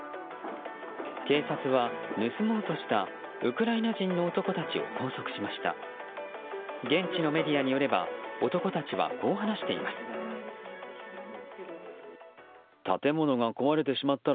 警察は、盗もうとしたウクライナ人の男たちを拘束しました。